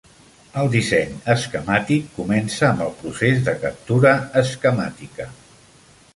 El disseny esquemàtic comença amb el procés de captura esquemàtica.